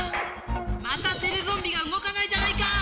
またテレゾンビがうごかないじゃないか！